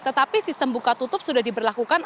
tetapi sistem buka tutup sudah diberlakukan